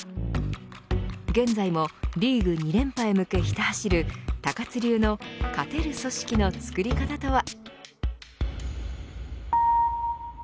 現在もリーグ２連覇へ向けひた走る高津流の勝てる組織の作り方とは。